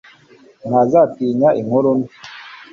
Ntazatinya inkuru mbi